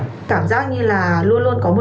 cảm giác như là luôn luôn có một người